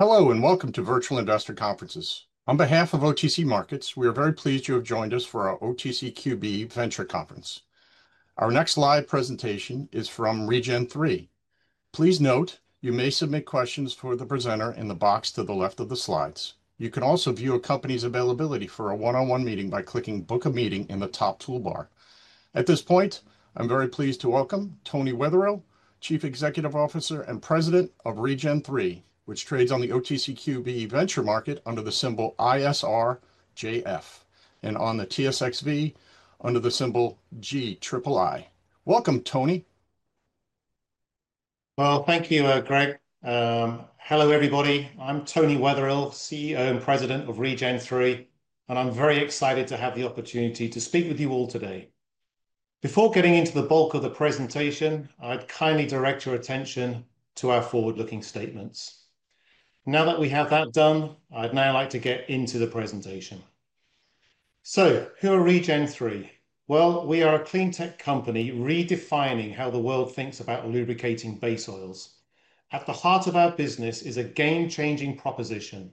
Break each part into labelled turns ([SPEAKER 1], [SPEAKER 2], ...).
[SPEAKER 1] Hello and welcome to Virtual Investor Conferences. On behalf of OTC Markets, we are very pleased you have joined us for our OTC QB Venture Conference. Our next live presentation is from ReGen III. Please note, you may submit questions for the presenter in the box to the left of the slides. You can also view a company's availability for a one-on-one meeting by clicking "Book a Meeting" in the top toolbar. At this point, I'm very pleased to welcome Tony Weatherill, Chief Executive Officer and President of ReGen III, which trades on the OTC QB Venture Market under the symbol ISRJF and on the TSXV under the symbol GIII. Welcome, Tony.
[SPEAKER 2] Thank you, Greg. Hello everybody. I'm Tony Weatherill, CEO and President of ReGen III, and I'm very excited to have the opportunity to speak with you all today. Before getting into the bulk of the presentation, I'd kindly direct your attention to our forward-looking statements. Now that we have that done, I'd like to get into the presentation. Who are ReGen III? We are a clean tech company redefining how the world thinks about lubricating base oils. At the heart of our business is a game-changing proposition,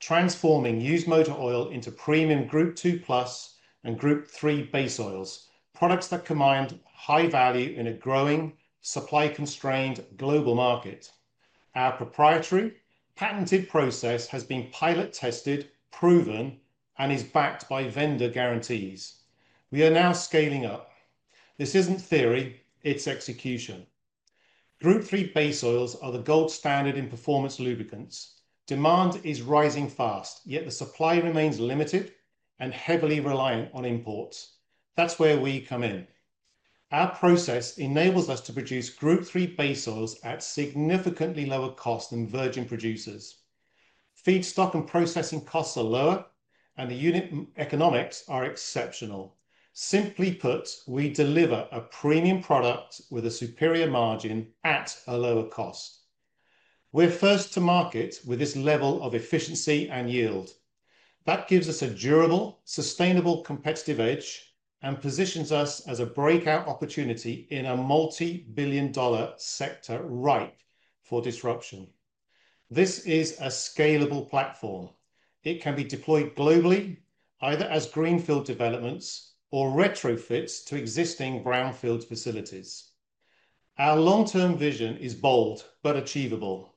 [SPEAKER 2] transforming used motor oil into premium Group 2+ and Group III base oils, products that command high value in a growing, supply-constrained global market. Our proprietary, patented process has been pilot-tested, proven, and is backed by vendor guarantees. We are now scaling up. This isn't theory; it's execution. Group III base oils are the gold standard in performance lubricants. Demand is rising fast, yet the supply remains limited and heavily reliant on imports. That's where we come in. Our process enables us to produce Group III base oils at significantly lower costs than virgin oil producers. Feedstock and processing costs are lower, and the unit economics are exceptional. Simply put, we deliver a premium product with a superior margin at a lower cost. We're first to market with this level of efficiency and yield. That gives us a durable, sustainable competitive edge and positions us as a breakout opportunity in a multi-billion dollar sector ripe for disruption. This is a scalable platform. It can be deployed globally, either as greenfield developments or retrofits to existing brownfield facilities. Our long-term vision is bold but achievable: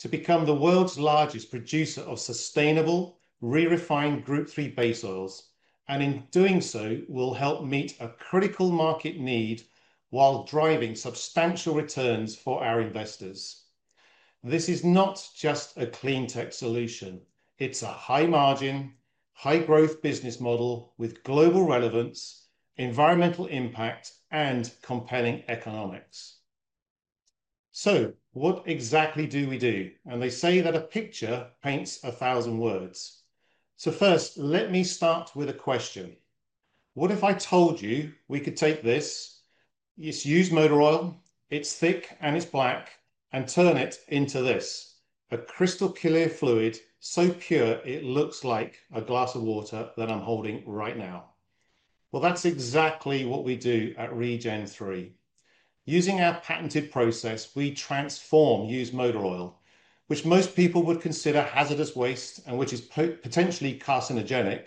[SPEAKER 2] to become the world's largest producer of sustainable, re-refined Group III base oils, and in doing so, we'll help meet a critical market need while driving substantial returns for our investors. This is not just a clean tech solution; it's a high-margin, high-growth business model with global relevance, environmental impact, and compelling economics. What exactly do we do? They say that a picture paints a thousand words. First, let me start with a question. What if I told you we could take this used motor oil, it's thick and it's black, and turn it into this, a crystal clear fluid so pure it looks like a glass of water that I'm holding right now? That's exactly what we do at ReGen III. Using our patented process, we transform used motor oil, which most people would consider hazardous waste and which is potentially carcinogenic,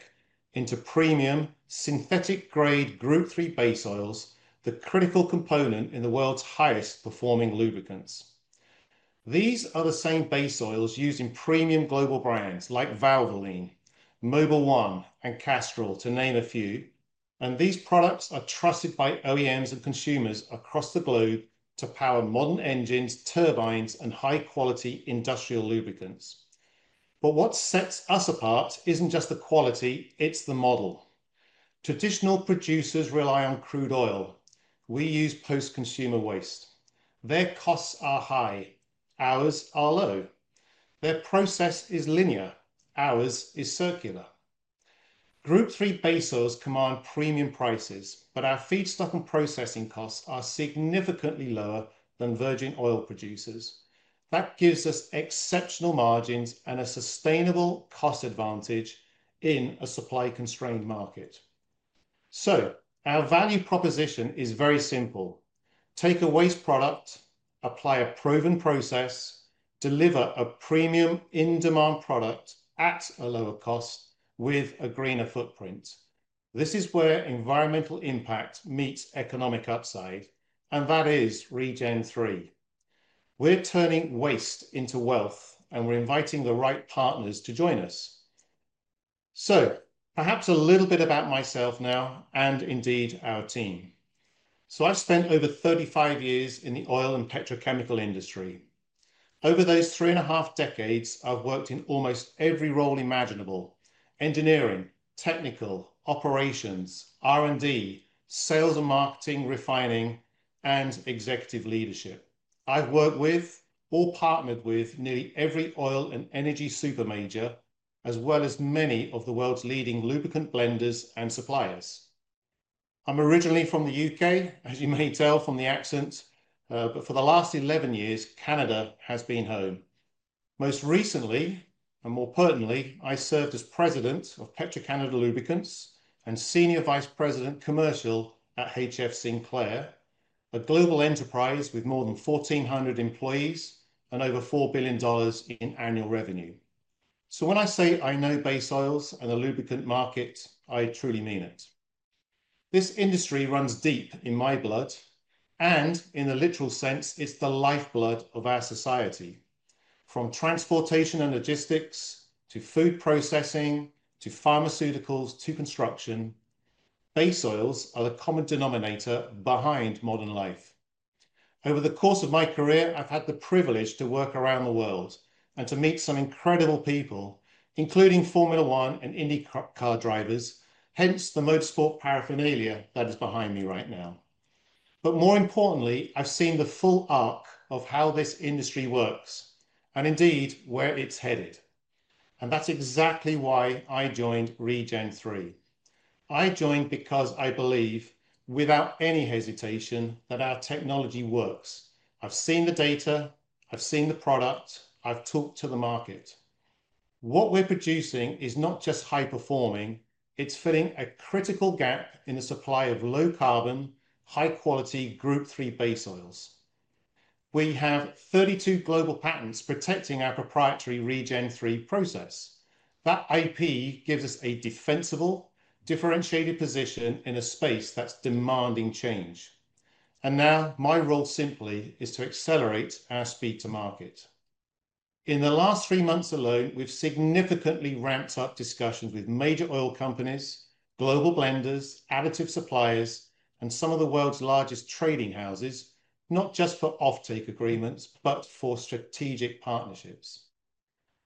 [SPEAKER 2] into premium, synthetic-grade Group III base oils, the critical component in the world's highest-performing lubricants. These are the same base oils used in premium global brands like Valvoline, Mobil One, and Castrol, to name a few. These products are trusted by OEMs and consumers across the globe to power modern engines, turbines, and high-quality industrial lubricants. What sets us apart isn't just the quality; it's the model. Traditional producers rely on crude oil. We use post-consumer waste. Their costs are high. Ours are low. Their process is linear. Ours is circular. Group III base oils command premium prices, but our feedstock and processing costs are significantly lower than virgin oil producers. That gives us exceptional margins and a sustainable cost advantage in a supply-constrained market. Our value proposition is very simple: take a waste product, apply a proven process, deliver a premium, in-demand product at a lower cost with a greener footprint. This is where environmental impact meets economic upside, and that is ReGen III. We're turning waste into wealth, and we're inviting the right partners to join us. Perhaps a little bit about myself now and indeed our team. I've spent over 35 years in the oil and petrochemical industry. Over those three and a half decades, I've worked in almost every role imaginable: engineering, technical, operations, R&D, sales and marketing, refining, and executive leadership. I've worked with or partnered with nearly every oil and energy supermajor, as well as many of the world's leading lubricant blenders and suppliers. I'm originally from the U.K., as you may tell from the accent, but for the last 11 years, Canada has been home. Most recently, and more pertinently, I served as President of Petro-Canada Lubricants and Senior Vice President Commercial at HF Sinclair, a global enterprise with more than 1,400 employees and over $4 billion in annual revenue. When I say I know base oils and the lubricant market, I truly mean it. This industry runs deep in my blood, and in a literal sense, it's the lifeblood of our society. From transportation and logistics to food processing to pharmaceuticals to construction, base oils are the common denominator behind modern life. Over the course of my career, I've had the privilege to work around the world and to meet some incredible people, including Formula One and IndyCar drivers, hence the motorsport paraphernalia that is behind me right now. More importantly, I've seen the full arc of how this industry works and indeed where it's headed. That's exactly why I joined ReGen III. I joined because I believe, without any hesitation, that our technology works. I've seen the data. I've seen the product. I've talked to the market. What we're producing is not just high-performing; it's filling a critical gap in the supply of low-carbon, high-quality Group III base oils. We have 32 global patents protecting our proprietary ReGen III process. That IP gives us a defensible, differentiated position in a space that's demanding change. Now my role simply is to accelerate our speed to market. In the last three months alone, we've significantly ramped up discussions with major oil companies, global blenders, additive suppliers, and some of the world's largest trading houses, not just for off-take agreements but for strategic partnerships.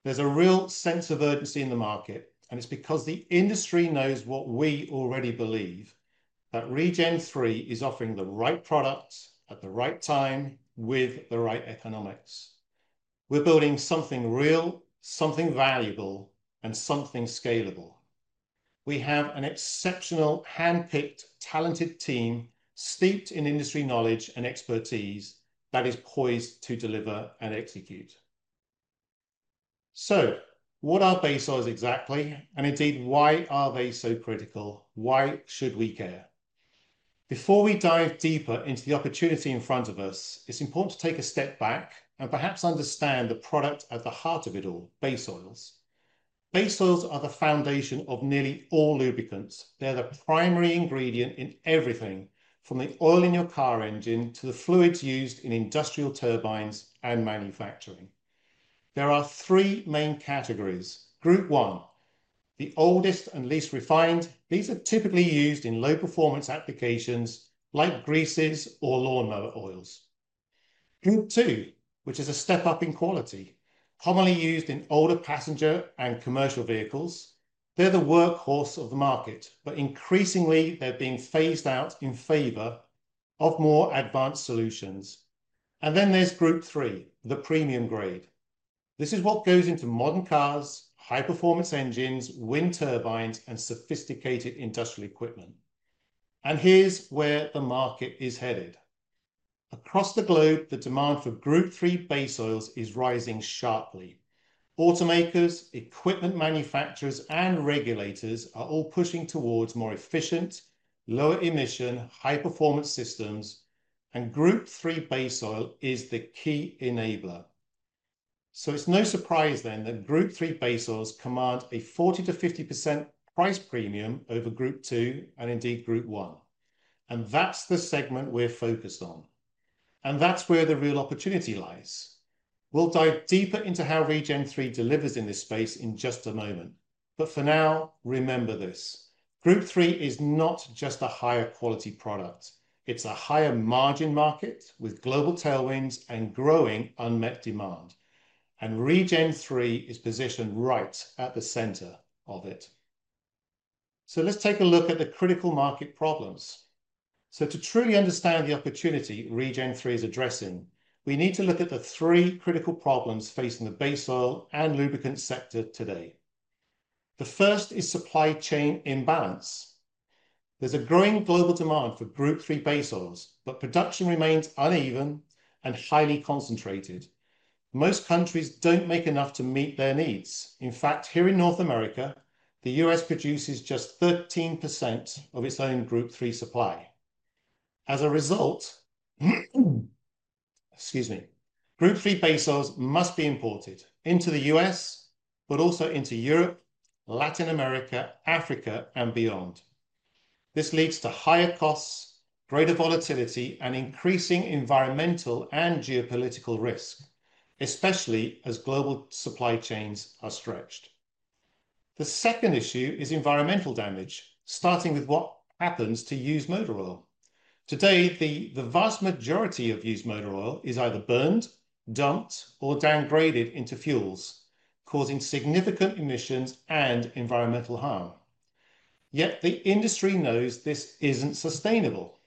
[SPEAKER 2] There's a real sense of urgency in the market, and it's because the industry knows what we already believe: that ReGen III is offering the right products at the right time with the right economics. We're building something real, something valuable, and something scalable. We have an exceptional, handpicked, talented team steeped in industry knowledge and expertise that is poised to deliver and execute. What are base oils exactly? Indeed, why are they so critical? Why should we care? Before we dive deeper into the opportunity in front of us, it's important to take a step back and perhaps understand the product at the heart of it all: base oils. Base oils are the foundation of nearly all lubricants. They're the primary ingredient in everything, from the oil in your car engine to the fluids used in industrial turbines and manufacturing. There are three main categories. Group I, the oldest and least refined: these are typically used in low-performance applications like greases or lawnmower oils. Group II, which is a step up in quality, commonly used in older passenger and commercial vehicles: they're the workhorse of the market, but increasingly they're being phased out in favor of more advanced solutions. Then there's Group III, the premium grade. This is what goes into modern cars, high-performance engines, wind turbines, and sophisticated industrial equipment. Here's where the market is headed. Across the globe, the demand for Group III base oils is rising sharply. Automakers, equipment manufacturers, and regulators are all pushing towards more efficient, lower emission, high-performance systems, and Group III base oil is the key enabler. It is no surprise then that Group III base oils command a 40%-50% price premium over Group II and indeed Group I. That's the segment we're focused on. That's where the real opportunity lies. We'll dive deeper into how ReGen III delivers in this space in just a moment. For now, remember this: Group III is not just a higher-quality product. It's a higher-margin market with global tailwinds and growing unmet demand. ReGen III is positioned right at the center of it. Let's take a look at the critical market problems. To truly understand the opportunity ReGen III is addressing, we need to look at the three critical problems facing the base oil and lubricant sector today. The first is supply chain imbalance. There's a growing global demand for Group III base oils, but production remains uneven and highly concentrated. Most countries don't make enough to meet their needs. In fact, here in North America, the U.S. produces just 13% of its own Group III supply. As a result, Group III base oils must be imported into the U.S., but also into Europe, Latin America, Africa, and beyond. This leads to higher costs, greater volatility, and increasing environmental and geopolitical risk, especially as global supply chains are stretched. The second issue is environmental damage, starting with what happens to used motor oil. Today, the vast majority of used motor oil is either burned, dumped, or downgraded into fuels, causing significant emissions and environmental harm. Yet the industry knows this isn't sustainable.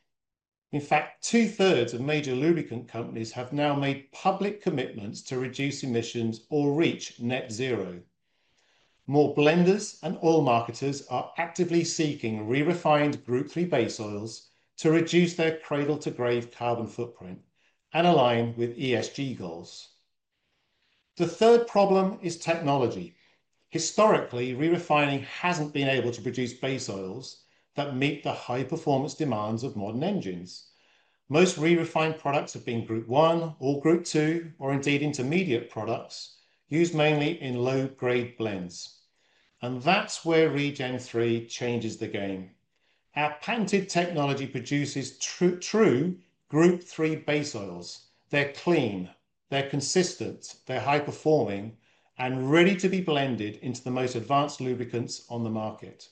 [SPEAKER 2] In fact, 2/3 of major lubricant companies have now made public commitments to reduce emissions or reach net zero. More blenders and oil marketers are actively seeking re-refined Group III base oils to reduce their cradle-to-grade carbon footprint and align with ESG mandates. The third problem is technology. Historically, re-refining hasn't been able to produce base oils that meet the high-performance demands of modern engines. Most re-refined products have been Group I or Group II or indeed intermediate products used mainly in low-grade blends. That is where ReGen III changes the game. Our patented technology produces true Group III base oils. They're clean, they're consistent, they're high-performing, and ready to be blended into the most advanced lubricants on the market.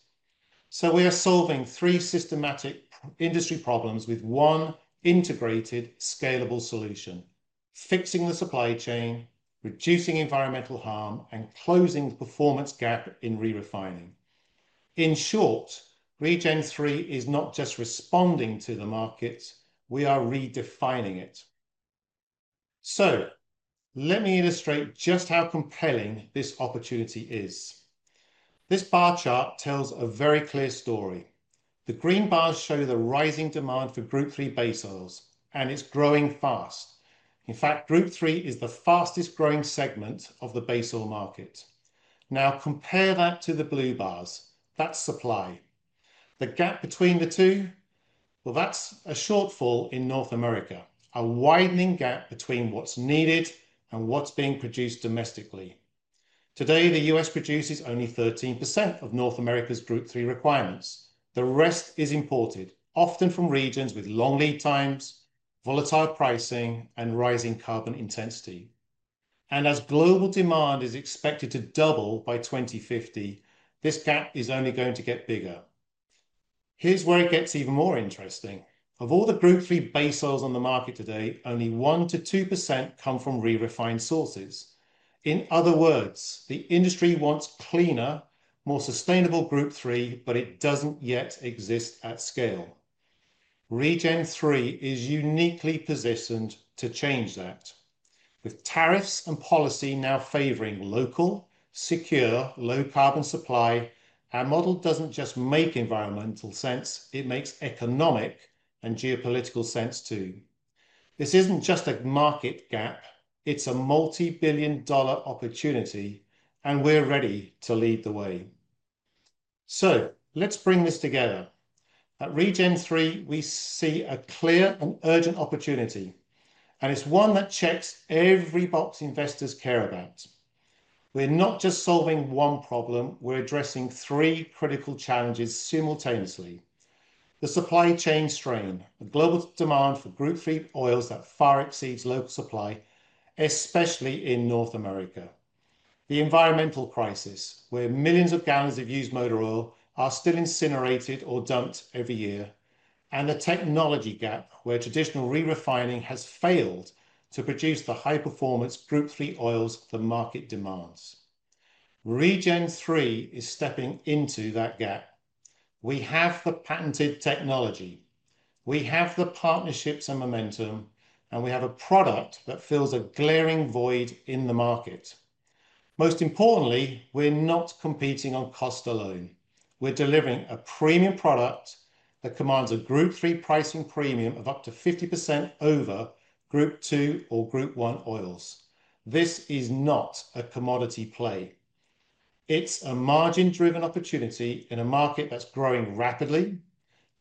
[SPEAKER 2] We are solving three systematic industry problems with one integrated, scalable solution: fixing the supply chain, reducing environmental harm, and closing the performance gap in re-refining. In short, ReGen III is not just responding to the market; we are redefining it. Let me illustrate just how compelling this opportunity is. This bar chart tells a very clear story. The green bars show the rising demand for Group III base oils, and it's growing fast. In fact, Group III is the fastest-growing segment of the base oil market. Now compare that to the blue bars. That is supply. The gap between the two is a shortfall in North America, a widening gap between what's needed and what's being produced domestically. Today, the U.S. produces only 13% of North America's Group III requirements. The rest is imported, often from regions with long lead times, volatile pricing, and rising carbon intensity. As global demand is expected to double by 2050, this gap is only going to get bigger. Here's where it gets even more interesting. Of all the Group III base oils on the market today, only 1%-2% come from re-refined sources. In other words, the industry wants cleaner, more sustainable Group III, but it doesn't yet exist at scale. ReGen III is uniquely positioned to change that. With tariffs and policy now favoring local, secure, low-carbon supply, our model doesn't just make environmental sense, it makes economic and geopolitical sense too. This isn't just a market gap, it's a multi-billion dollar opportunity, and we're ready to lead the way. Let's bring this together. At ReGen III, we see a clear and urgent opportunity, and it's one that checks every box investors care about. We're not just solving one problem, we're addressing three critical challenges simultaneously: the supply chain strain, the global demand for Group III oils that far exceeds local supply, especially in North America, the environmental crisis, where millions of gallons of used motor oil are still incinerated or dumped every year, and the technology gap, where traditional re-refining has failed to produce the high-performance Group III base oils the market demands. ReGen III is stepping into that gap. We have the patented technology. We have the partnerships and momentum, and we have a product that fills a glaring void in the market. Most importantly, we're not competing on cost alone. We're delivering a premium product that commands a Group III pricing premium of up to 50% over Group II or Group I oils. This is not a commodity play. It's a margin-driven opportunity in a market that's growing rapidly,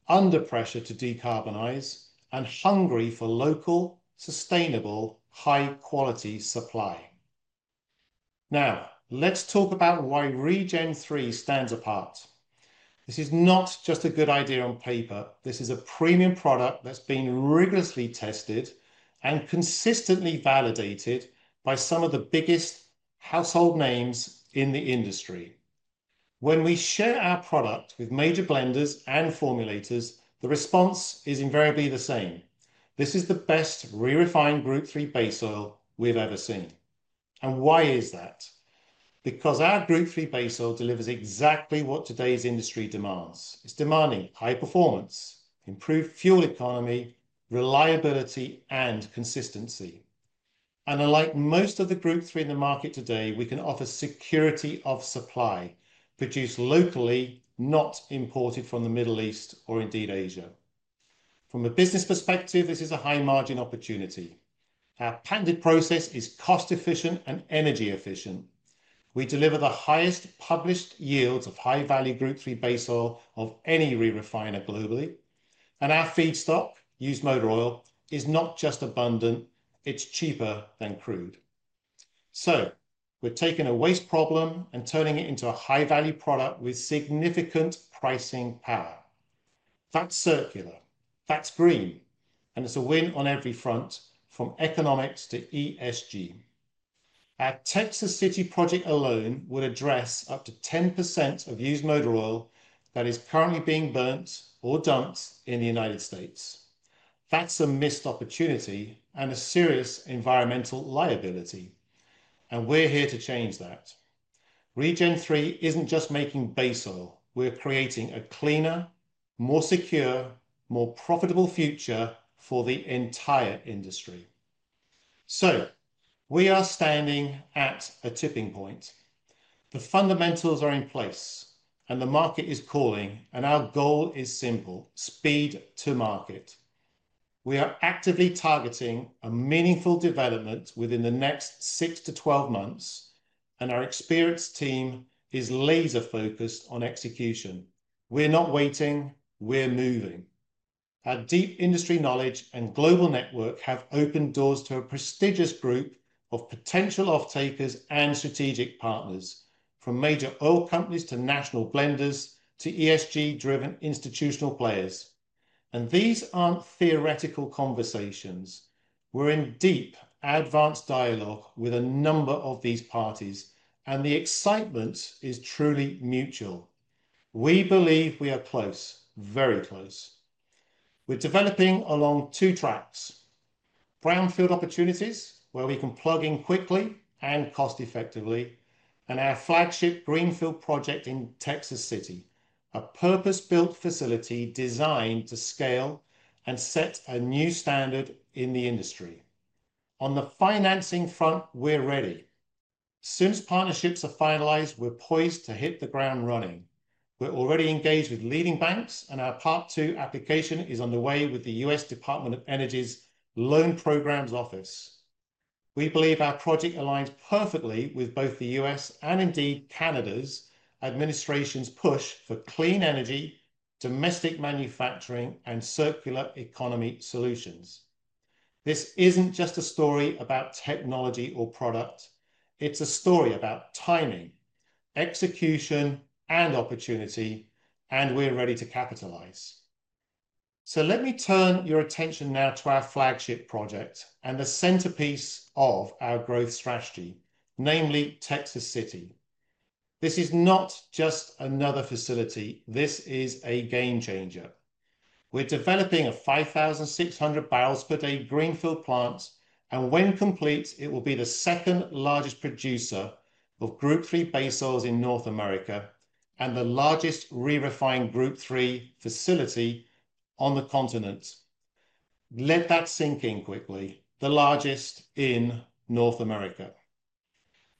[SPEAKER 2] under pressure to decarbonize, and hungry for local, sustainable, high-quality supply. Now, let's talk about why ReGen III stands apart. This is not just a good idea on paper. This is a premium product that's been rigorously tested and consistently validated by some of the biggest household names in the industry. When we share our product with major blenders and formulators, the response is invariably the same. This is the best re-refined Group III base oil we've ever seen. Why is that? Because our Group III base oil delivers exactly what today's industry demands. It's demanding high performance, improved fuel economy, reliability, and consistency. Unlike most of the Group III in the market today, we can offer security of supply, produced locally, not imported from the Middle East or Asia. From a business perspective, this is a high-margin opportunity. Our patented process is cost-efficient and energy-efficient. We deliver the highest published yields of high-value Group III base oil of any re-refiner globally. Our feedstock, used motor oil, is not just abundant, it's cheaper than crude. We're taking a waste problem and turning it into a high-value product with significant pricing power. That's circular. That's green. It's a win on every front, from economics to ESG. Our Texas City project alone would address up to 10% of used motor oil that is currently being burnt or dumped in the United States. That's a missed opportunity and a serious environmental liability. We're here to change that. ReGen III isn't just making base oil; we're creating a cleaner, more secure, more profitable future for the entire industry. We are standing at a tipping point. The fundamentals are in place, and the market is calling, and our goal is simple: speed to market. We are actively targeting a meaningful development within the next 6-12 months, and our experienced team is laser-focused on execution. We're not waiting; we're moving. Our deep industry knowledge and global network have opened doors to a prestigious group of potential off-takers and strategic partners, from major oil companies to national blenders to ESG-driven institutional players. These aren't theoretical conversations. We're in deep, advanced dialogue with a number of these parties, and the excitement is truly mutual. We believe we are close, very close. We're developing along two tracks: brownfield opportunities, where we can plug in quickly and cost-effectively, and our flagship greenfield project in Texas City, a purpose-built facility designed to scale and set a new standard in the industry. On the financing front, we're ready. As soon as partnerships are finalized, we're poised to hit the ground running. We're already engaged with leading banks, and our Part 2 application is underway with the U.S. Department of Energy’s Loan Programs Office. We believe our project aligns perfectly with both the U.S. and indeed Canada's administration's push for clean energy, domestic manufacturing, and circular economy solutions. This isn't just a story about technology or product. It's a story about timing, execution, and opportunity, and we're ready to capitalize. Let me turn your attention now to our flagship project and the centerpiece of our growth strategy, namely Texas City. This is not just another facility; this is a game-changer. We're developing a 5,600-bbl per day greenfield plant, and when complete, it will be the second-largest producer of Group III base oils in North America and the largest re-refined Group III facility on the continent. Let that sink in quickly: the largest in North America.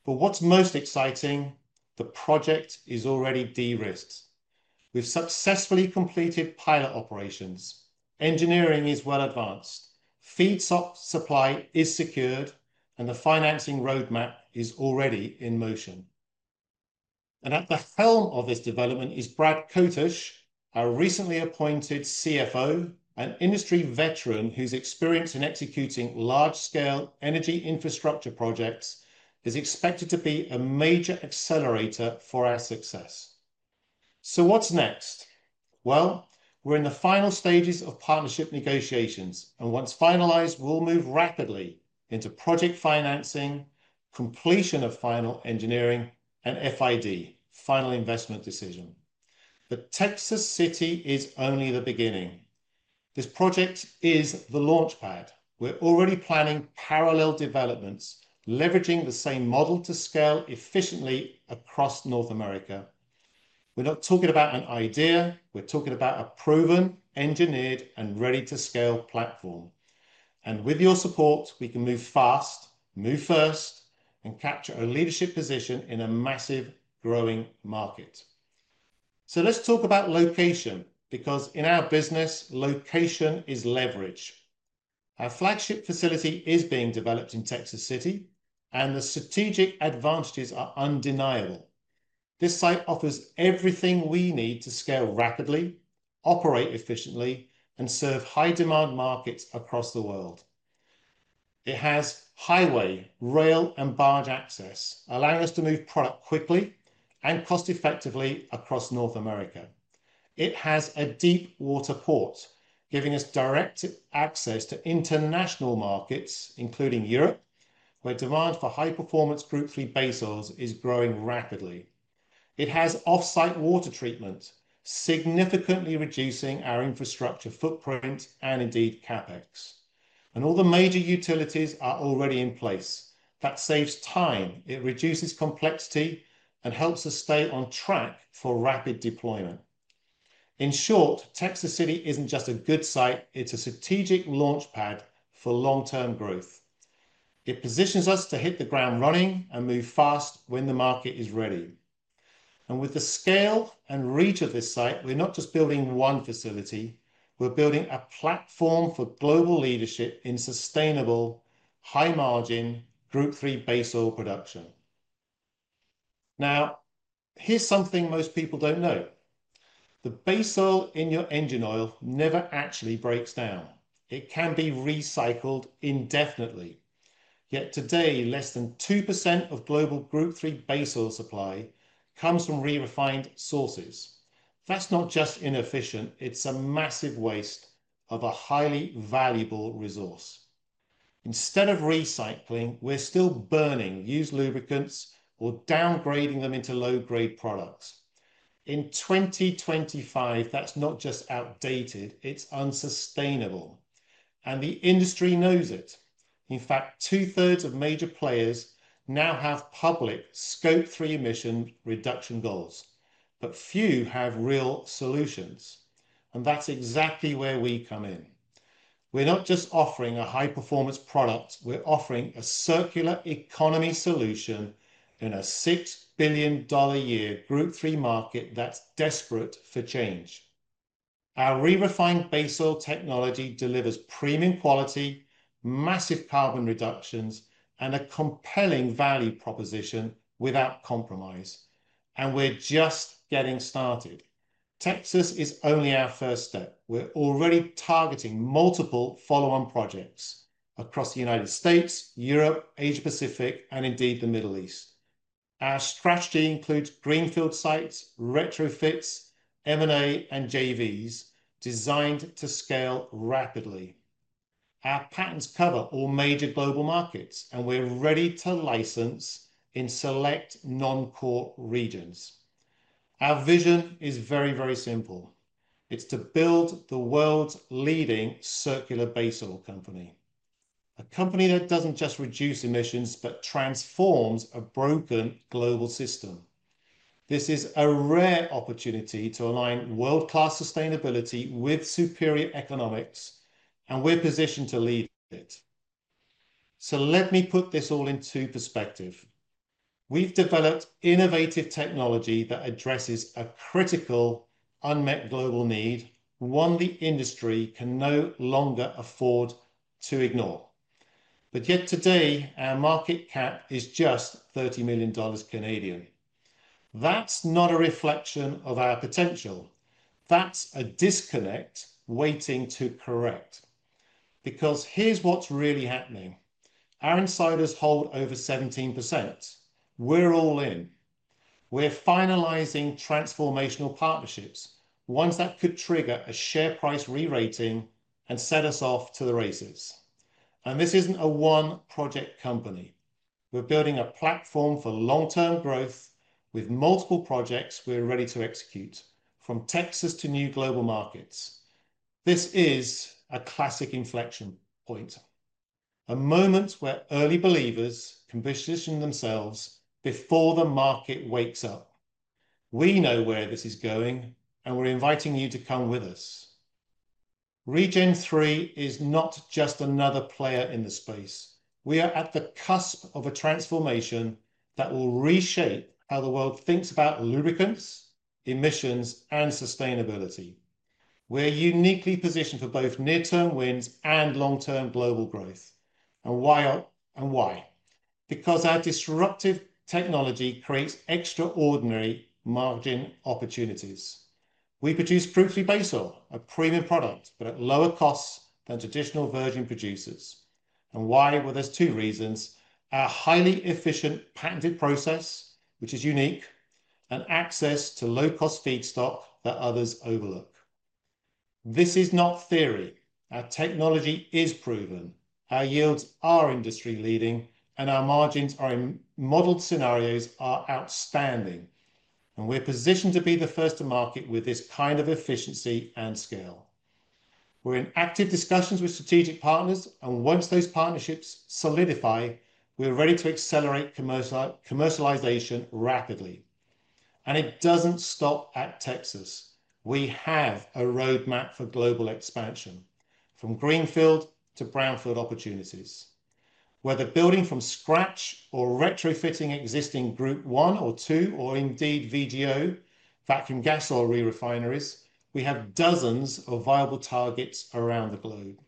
[SPEAKER 2] What's most exciting, the project is already derisked. We've successfully completed pilot operations. Engineering is well advanced. Feedstock supply is secured, and the financing roadmap is already in motion. At the helm of this development is Brad Kotush, our recently appointed CFO, an industry veteran whose experience in executing large-scale energy infrastructure projects is expected to be a major accelerator for our success. What's next? We're in the final stages of partnership negotiations, and once finalized, we'll move rapidly into project financing, completion of final engineering, and FID, final investment decision. Texas City is only the beginning. This project is the launchpad. We're already planning parallel developments, leveraging the same model to scale efficiently across North America. We're not talking about an idea; we're talking about a proven, engineered, and ready-to-scale platform. With your support, we can move fast, move first, and capture a leadership position in a massive, growing market. Let's talk about location, because in our business, location is leverage. Our flagship facility is being developed in Texas City, and the strategic advantages are undeniable. This site offers everything we need to scale rapidly, operate efficiently, and serve high-demand markets across the world. It has highway, rail, and barge access, allowing us to move product quickly and cost-effectively across North America. It has a deep-water port, giving us direct access to international markets, including Europe, where demand for high-performance Group III base oils is growing rapidly. It has off-site water treatment, significantly reducing our infrastructure footprint and indeed CapEx. All the major utilities are already in place. That saves time, it reduces complexity, and helps us stay on track for rapid deployment. In short, Texas City isn't just a good site; it's a strategic launchpad for long-term growth. It positions us to hit the ground running and move fast when the market is ready. With the scale and reach of this site, we're not just building one facility; we're building a platform for global leadership in sustainable, high-margin Group III base oil production. Here's something most people don't know: the base oil in your engine oil never actually breaks down. It can be recycled indefinitely. Yet today, less than 2% of global Group III base oil supply comes from re-refined sources. That's not just inefficient; it's a massive waste of a highly valuable resource. Instead of recycling, we're still burning used lubricants or downgrading them into low-grade products. In 2025, that's not just outdated; it's unsustainable. The industry knows it. In fact 2/3 of major players now have public Scope 3 emission reduction goals, but few have real solutions. That's exactly where we come in. We're not just offering a high-performance product; we're offering a circular economy solution in a $6 billion a year Group III base oils market that's desperate for change. Our re-refined base oil technology delivers premium quality, massive carbon reductions, and a compelling value proposition without compromise. We're just getting started. Texas is only our first step. We're already targeting multiple follow-on projects across the United States, Europe, Asia-Pacific, and indeed the Middle East. Our strategy includes greenfield sites, brownfield retrofits, M&A, and JVs designed to scale rapidly. Our patents cover all major global markets, and we're ready to license in select non-core regions. Our vision is very, very simple. It's to build the world's leading circular base oil company, a company that doesn't just reduce emissions but transforms a broken global system. This is a rare opportunity to align world-class sustainability with superior economics, and we're positioned to lead it. Let me put this all in two perspectives. We've developed innovative technology that addresses a critical, unmet global need, one the industry can no longer afford to ignore. Yet today, our market cap is just 30 million Canadian dollars. That's not a reflection of our potential. That's a disconnect waiting to correct. Here's what's really happening: our insiders hold over 17%. We're all in. We're finalizing transformational partnerships, ones that could trigger a share price re-rating and set us off to the races. This isn't a one-project company. We're building a platform for long-term growth with multiple projects we're ready to execute from Texas to new global markets. This is a classic inflection point, a moment where early believers can position themselves before the market wakes up. We know where this is going, and we're inviting you to come with us. ReGen III is not just another player in this space. We are at the cusp of a transformation that will reshape how the world thinks about lubricants, emissions, and sustainability. We're uniquely positioned for both near-term wins and long-term global growth. Why? Because our disruptive technology creates extraordinary margin opportunities. We produce Group III base oil, a premium product, but at lower costs than traditional virgin oil producers. There are two reasons: a highly efficient patented process, which is unique, and access to low-cost feedstock that others overlook. This is not theory. Our technology is proven. Our yields are industry-leading, and our margins are in modeled scenarios outstanding. We are positioned to be the first to market with this kind of efficiency and scale. We are in active discussions with strategic partners, and once those partnerships solidify, we are ready to accelerate commercialization rapidly. It does not stop at Texas. We have a roadmap for global expansion, from greenfield to brownfield opportunities. Whether building from scratch or retrofitting existing Group I or II, or indeed VGO, vacuum gas oil re-refiners, we have dozens of viable targets around the globe.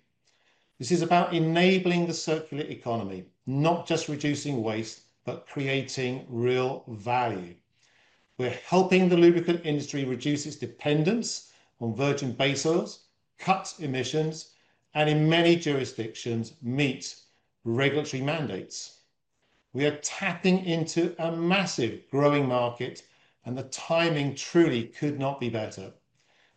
[SPEAKER 2] This is about enabling the circular economy, not just reducing waste, but creating real value. We are helping the lubricating base oil market reduce its dependence on virgin base oils, cut emissions, and in many jurisdictions, meet regulatory mandates. We are tapping into a massive growing market, and the timing truly could not be better.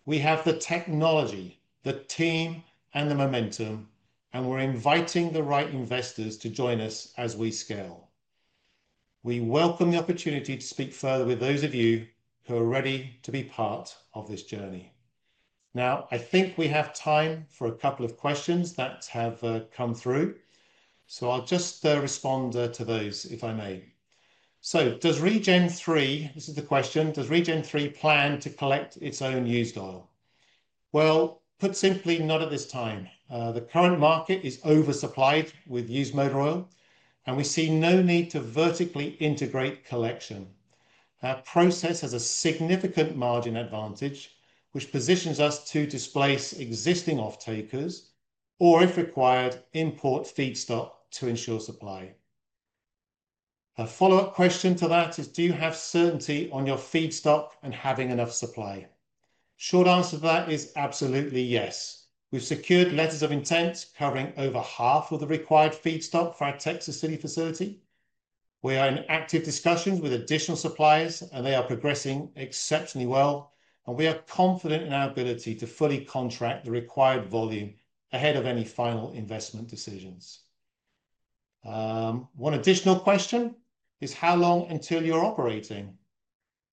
[SPEAKER 2] We have the technology, the team, and the momentum, and we are inviting the right investors to join us as we scale. We welcome the opportunity to speak further with those of you who are ready to be part of this journey. I think we have time for a couple of questions that have come through, so I'll just respond to those, if I may. Does ReGen III, this is the question, does ReGen III plan to collect its own used oil? Put simply, not at this time. The current market is oversupplied with used motor oil, and we see no need to vertically integrate collection. Our process has a significant margin advantage, which positions us to displace existing off-takers or, if required, import feedstock to ensure supply. A follow-up question to that is, do you have certainty on your feedstock and having enough supply? Short answer to that is absolutely yes. We've secured letters of intent covering over half of the required feedstock for our Texas City facility. We are in active discussions with additional suppliers, and they are progressing exceptionally well, and we are confident in our ability to fully contract the required volume ahead of any final investment decisions. One additional question is, how long until you're operating?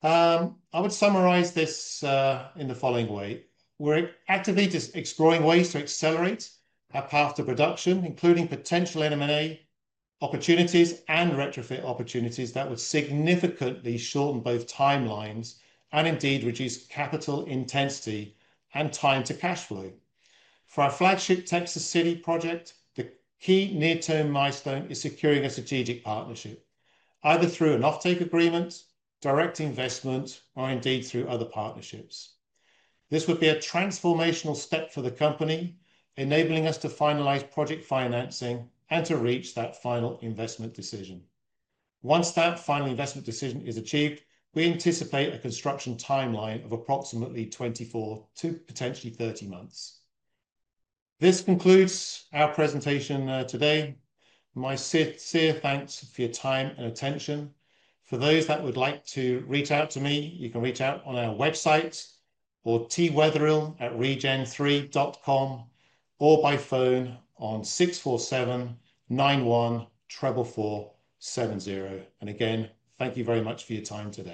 [SPEAKER 2] I would summarize this in the following way. We're actively exploring ways to accelerate our path to production, including potential M&A opportunities and retrofit opportunities that would significantly shorten both timelines and indeed reduce capital intensity and time to cash flow. For our flagship Texas City project, the key near-term milestone is securing a strategic partnership, either through an off-take agreement, direct investment, or indeed through other partnerships. This would be a transformational step for the company, enabling us to finalize project financing and to reach that final investment decision. Once that final investment decision is achieved, we anticipate a construction timeline of approximately 24 to potentially 30 months. This concludes our presentation today. My sincere thanks for your time and attention. For those that would like to reach out to me, you can reach out on our website or tweatherill@regen3.com or by phone on 647-91-3470. Again, thank you very much for your time today.